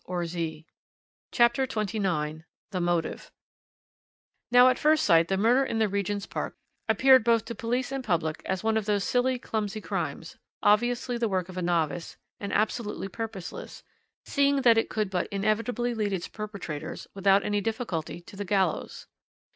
CHAPTER XXIX THE MOTIVE "Now at first sight the murder in the Regent's Park appeared both to police and public as one of those silly, clumsy crimes, obviously the work of a novice, and absolutely purposeless, seeing that it could but inevitably lead its perpetrators, without any difficulty, to the gallows.